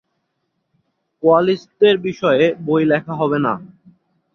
কোয়ালিস্টদের বিষয়ে বই লেখা হবে না।